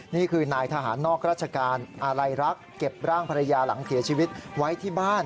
นี่คือนายทหารนอกราชการอาลัยรักษ์เก็บร่างภรรยาหลังเสียชีวิตไว้ที่บ้าน